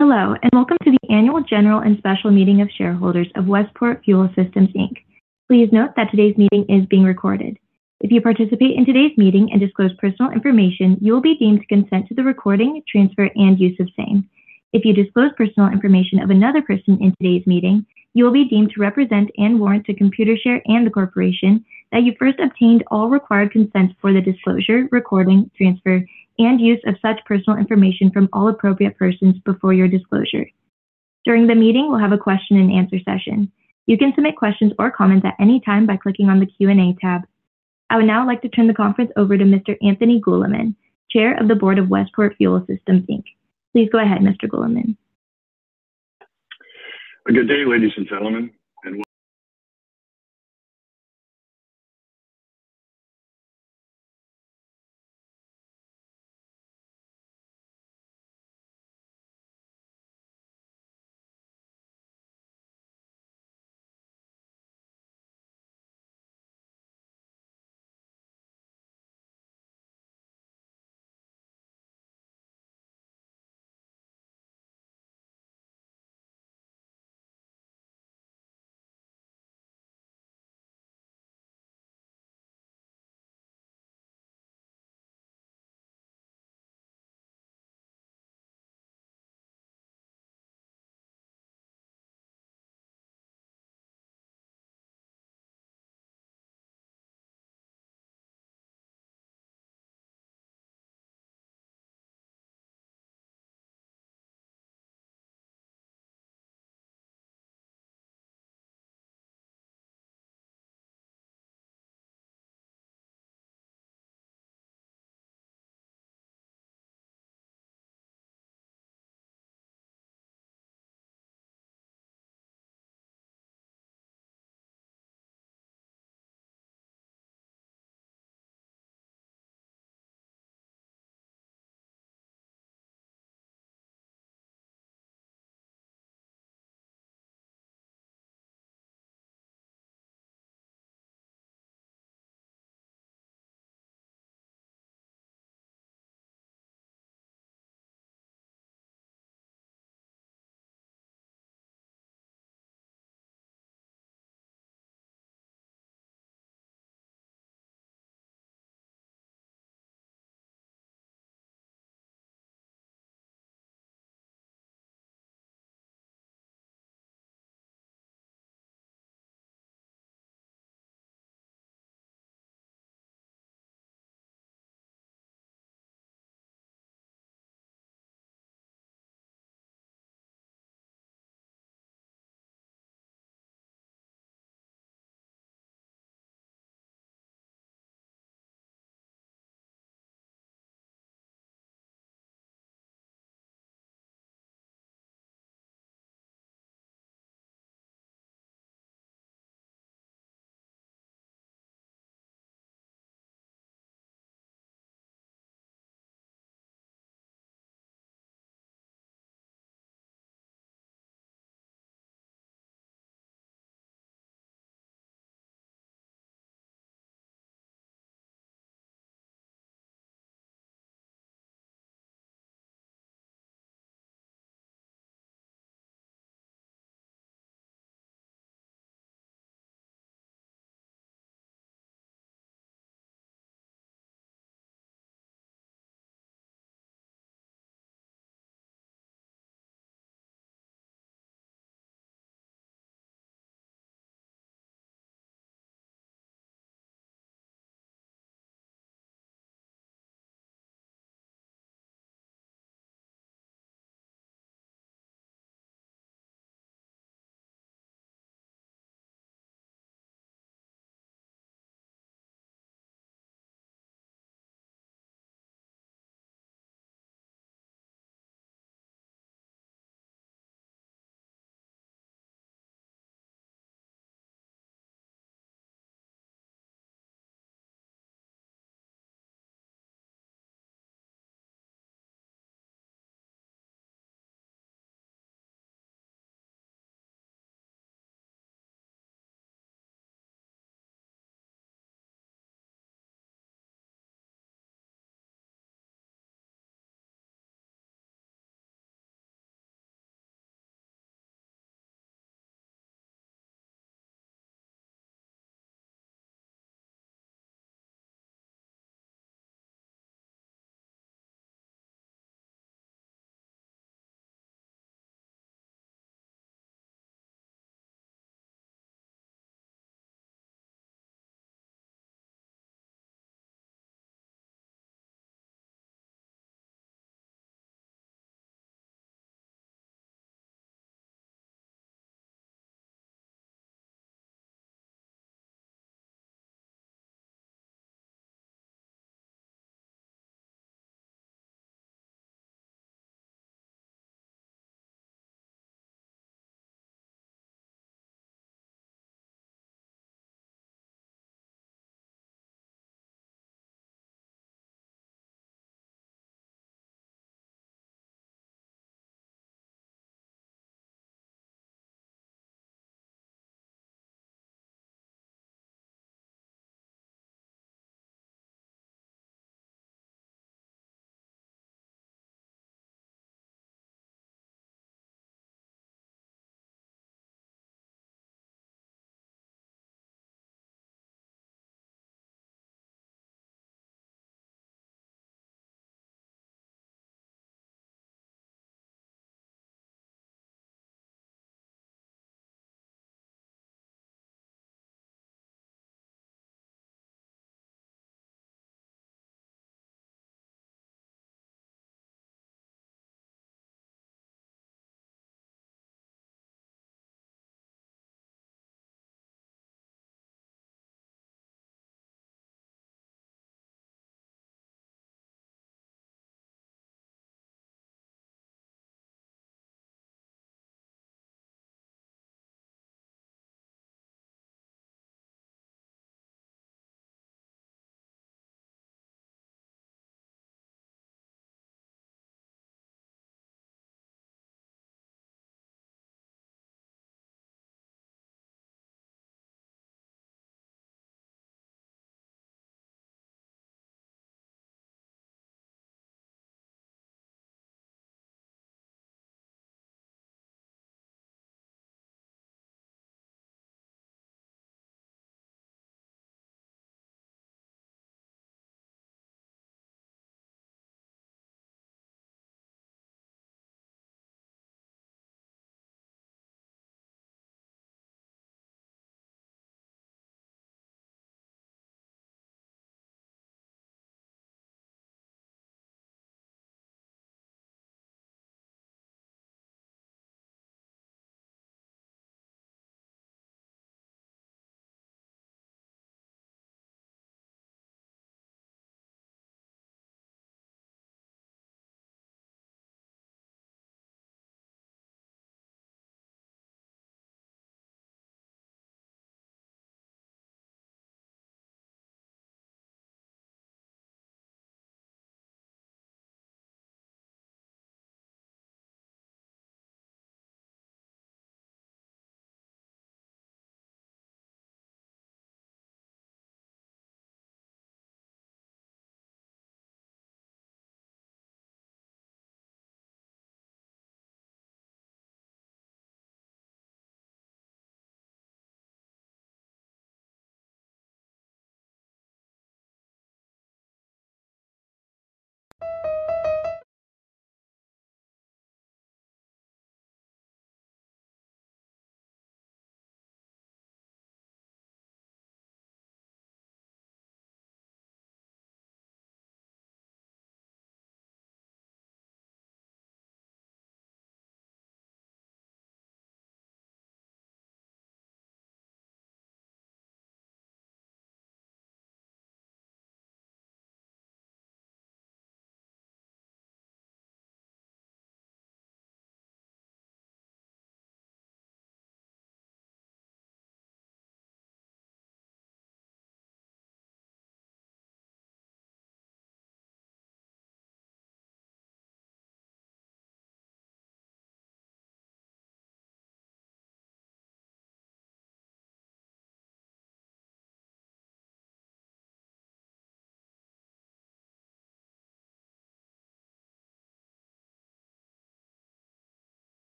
Hello, and welcome to the Annual General and Special Meeting of shareholders of Westport Fuel Systems Inc. Please note that today's meeting is being recorded. If you participate in today's meeting and disclose personal information, you will be deemed to consent to the recording, transfer, and use of same. If you disclose personal information of another person in today's meeting, you will be deemed to represent and warrant to Computershare and the corporation that you first obtained all required consent for the disclosure, recording, transfer, and use of such personal information from all appropriate persons before your disclosure. During the meeting, we'll have a question and answer session. You can submit questions or comments at any time by clicking on the Q&A tab. I would now like to turn the conference over to Mr. Tony Guglielmin, Chair of the Board of Westport Fuel Systems Inc. Please go ahead, Mr. Guglielmin. Good day, ladies and gentlemen,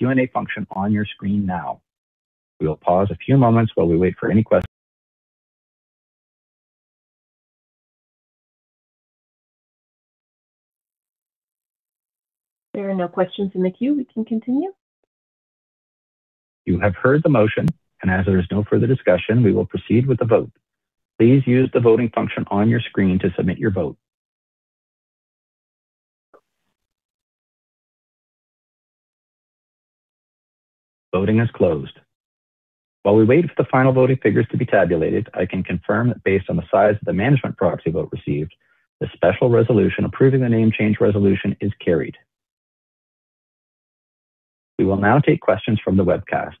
and welcome Q&A function on your screen now. We will pause a few moments while we wait for any. There are no questions in the queue. We can continue. You have heard the motion. As there is no further discussion, we will proceed with the vote. Please use the voting function on your screen to submit your vote. Voting is closed. While we wait for the final voting figures to be tabulated, I can confirm that based on the size of the management proxy vote received, the special resolution approving the name change resolution is carried. We will now take questions from the webcast.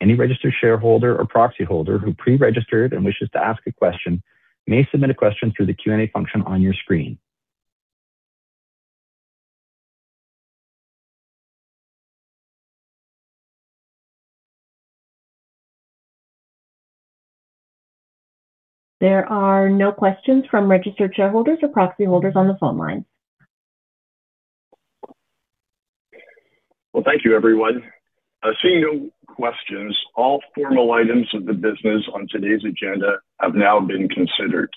Any registered shareholder or proxy holder who pre-registered and wishes to ask a question may submit a question through the Q&A function on your screen. There are no questions from registered shareholders or proxy holders on the phone lines. Well, thank you everyone. Seeing no questions, all formal items of the business on today's agenda have now been considered.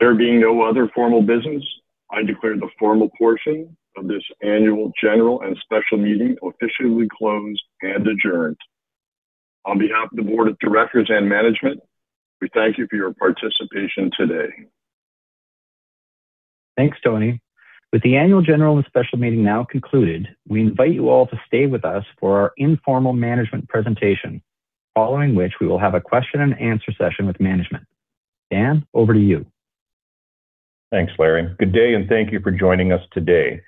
There being no other formal business, I declare the formal portion of this Annual General and Special Meeting officially closed and adjourned. On behalf of the board of directors and management, we thank you for your participation today. Thanks, Tony. With the Annual General and Special Meeting now concluded, we invite you all to stay with us for our informal management presentation, following which we will have a question and answer session with management. Dan, over to you. Thanks, Larry. Good day. Thank you for joining us today.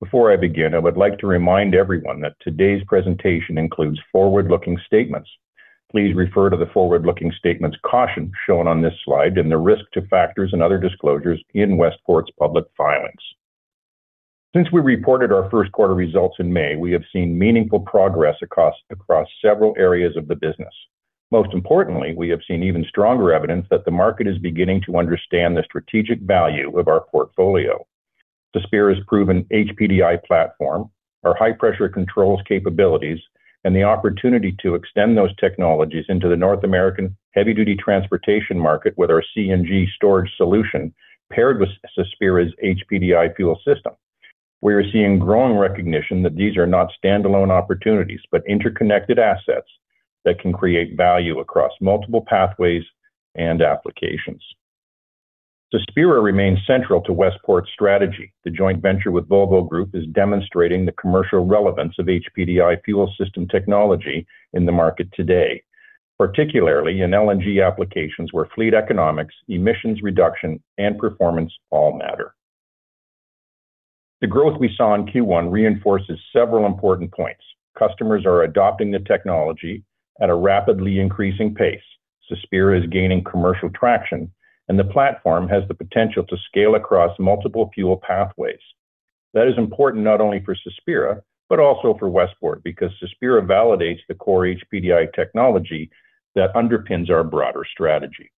Before I begin, I would like to remind everyone that today's presentation includes forward-looking statements. Please refer to the forward-looking statements caution shown on this slide and the risk to factors and other disclosures in Westport's public filings. Since we reported our first quarter results in May, we have seen meaningful progress across several areas of the business. Most importantly, we have seen even stronger evidence that the market is beginning to understand the strategic value of our portfolio. Cespira's proven HPDI platform, our high-pressure controls capabilities, and the opportunity to extend those technologies into the North American heavy-duty transportation market with our CNG storage solution paired with Cespira's HPDI fuel system. We are seeing growing recognition that these are not standalone opportunities, but interconnected assets that can create value across multiple pathways and applications. Cespira remains central to Westport's strategy. The joint venture with Volvo Group is demonstrating the commercial relevance of HPDI fuel system technology in the market today, particularly in LNG applications where fleet economics, emissions reduction, and performance all matter. The growth we saw in Q1 reinforces several important points. Customers are adopting the technology at a rapidly increasing pace. Cespira is gaining commercial traction. The platform has the potential to scale across multiple fuel pathways. That is important not only for Cespira, but also for Westport, because Cespira validates the core HPDI technology that underpins our broader strategy.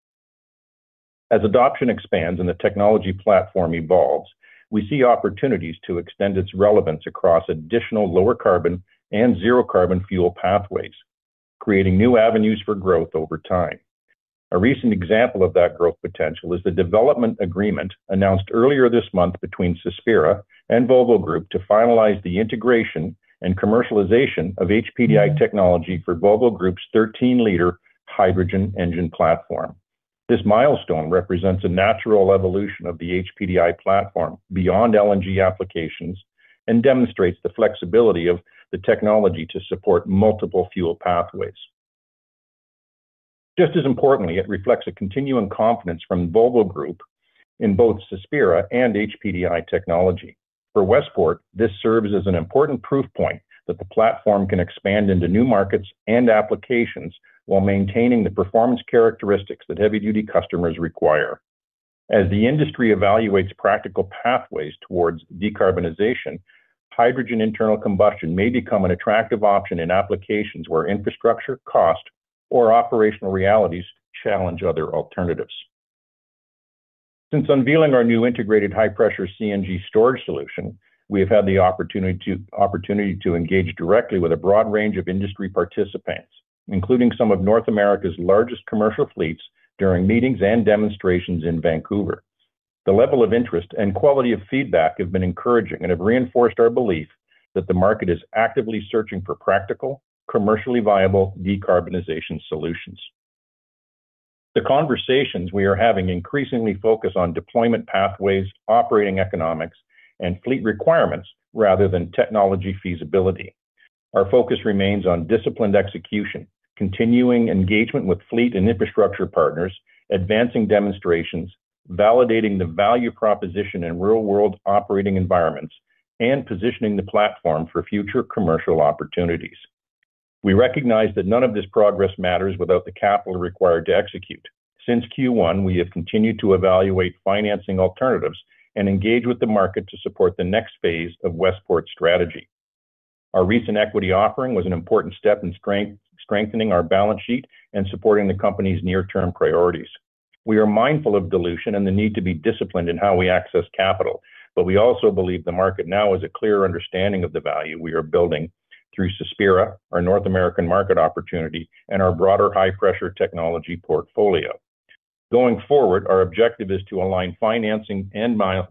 As adoption expands and the technology platform evolves, we see opportunities to extend its relevance across additional lower-carbon and zero-carbon fuel pathways, creating new avenues for growth over time. A recent example of that growth potential is the development agreement announced earlier this month between Cespira and Volvo Group to finalize the integration and commercialization of HPDI technology for Volvo Group's 13-litre hydrogen engine platform. This milestone represents a natural evolution of the HPDI platform beyond LNG applications and demonstrates the flexibility of the technology to support multiple fuel pathways. Just as importantly, it reflects a continuing confidence from Volvo Group in both Cespira and HPDI technology. For Westport, this serves as an important proof point that the platform can expand into new markets and applications while maintaining the performance characteristics that heavy-duty customers require. As the industry evaluates practical pathways towards decarbonization, hydrogen internal combustion may become an attractive option in applications where infrastructure cost or operational realities challenge other alternatives. Since unveiling our new integrated high-pressure CNG storage solution, we have had the opportunity to engage directly with a broad range of industry participants, including some of North America's largest commercial fleets during meetings and demonstrations in Vancouver. The level of interest and quality of feedback have been encouraging and have reinforced our belief that the market is actively searching for practical, commercially viable decarbonization solutions. The conversations we are having increasingly focus on deployment pathways, operating economics, and fleet requirements rather than technology feasibility. Our focus remains on disciplined execution, continuing engagement with fleet and infrastructure partners, advancing demonstrations, validating the value proposition in real-world operating environments, and positioning the platform for future commercial opportunities. We recognize that none of this progress matters without the capital required to execute. Since Q1, we have continued to evaluate financing alternatives and engage with the market to support the next phase of Westport's strategy. Our recent equity offering was an important step in strengthening our balance sheet and supporting the company's near-term priorities. We are mindful of dilution and the need to be disciplined in how we access capital, but we also believe the market now has a clear understanding of the value we are building through Cespira, our North American market opportunity, and our broader high-pressure technology portfolio. Going forward, our objective is to align financing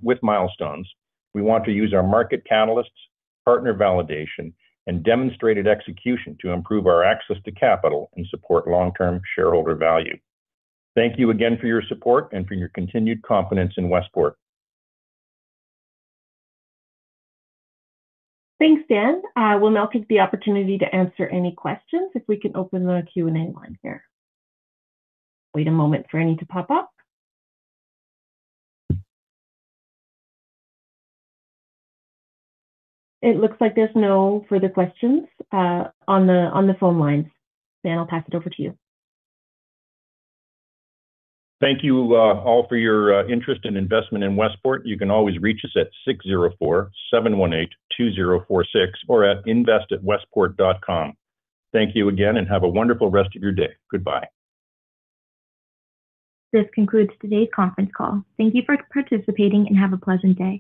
with milestones. We want to use our market catalysts, partner validation, and demonstrated execution to improve our access to capital and support long-term shareholder value. Thank you again for your support and for your continued confidence in Westport. Thanks, Dan. We'll now take the opportunity to answer any questions, if we can open the Q&A line here. Wait a moment for any to pop up. It looks like there's no further questions on the phone lines. Dan, I'll pass it over to you. Thank you all for your interest and investment in Westport. You can always reach us at 604 718 2046 or at invest@westport.com. Thank you again, have a wonderful rest of your day. Goodbye. This concludes today's conference call. Thank you for participating, have a pleasant day.